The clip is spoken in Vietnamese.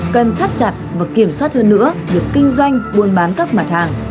cần thắt chặt và kiểm soát hơn nữa việc kinh doanh buôn bán các mặt hàng